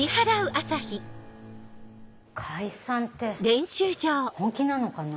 解散って本気なのかな？